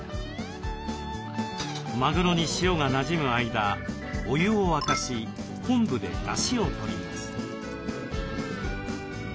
マグロに塩がなじむ間お湯を沸かし昆布で出汁をとります。